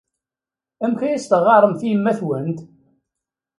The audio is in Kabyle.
Amek ay as-teɣɣaremt i yemma-twent?